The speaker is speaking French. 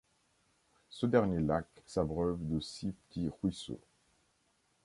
Ce dernier lac s'abreuve de six petits ruisseaux.